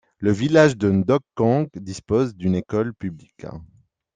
Le village de Ndock Nkong dispose d'une école publique.